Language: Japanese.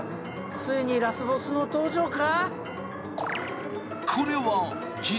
ついにラスボスの登場か！？